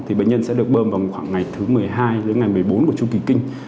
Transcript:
thì bệnh nhân sẽ được bơm vào khoảng ngày thứ một mươi hai đến ngày một mươi bốn của chu kỳ kinh